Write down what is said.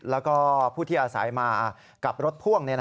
แล้วก็ผู้ที่อาศัยมากับรถพ่วง